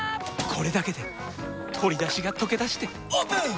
これだけで鶏だしがとけだしてオープン！